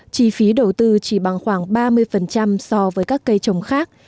chi phí đầu tư chỉ bằng khoảng ba mươi so với các cây trồng khác